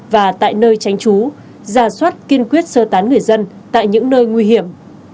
và tại nơi tránh trú giả soát kiên quyết sơ tán người dân tại những nơi nguy hiểm